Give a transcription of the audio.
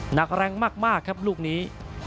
หนักแรงมากครับลูกนี้